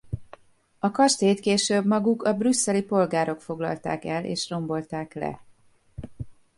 A kastélyt később maguk a brüsszeli polgárok foglalták el és rombolták le.